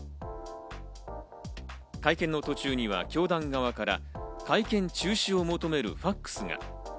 会見の途中には教団側から会見中止を求めるファクスが。